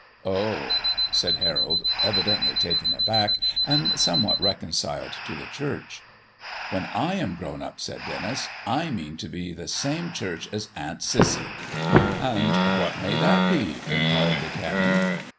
"Oh!" said Harold, evidently taken aback, and somewhat reconciled to the church. "When I am grown up," said Denis, "I mean to be the same church as Aunt Cissy." "And what may that be?" inquired the Canon.